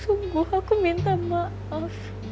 sungguh aku minta maaf